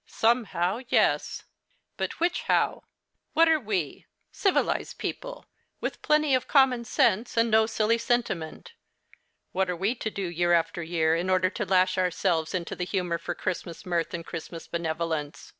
Somehow, yes, but which how? What are we, civilized people, with plenty of common sense and no silly sentiment — wiiat are we to do year after year in order to lash ourselves into the humour for Christuias mirth and Christmas benevolence?